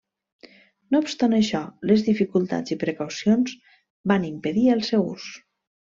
No obstant això, les dificultats i precaucions van impedir el seu ús.